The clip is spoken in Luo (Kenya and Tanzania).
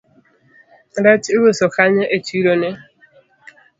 Rech iuso kanye e chironi